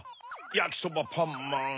やきそばパンマン。